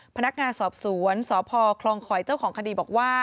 พนักงานสอบสวนสพคลองคอยเจ้าของคดีบอกว่า